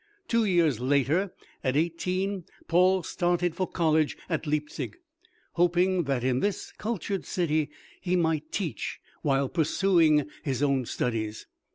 Two years later, at eighteen, Paul started for college at Leipzig, hoping that in this cultured city he might teach while pursuing his own studies.